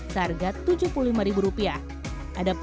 seperti dessert mousse berbentuk miniatur anjing park